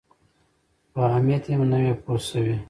پر اهمیت یې هم نه وي پوه شوي.